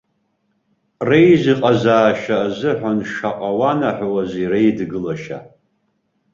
Реизыҟазаашьа азыҳәан шаҟа уанаҳәозеи реидгылашьа.